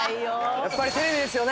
やっぱりテレビですよね。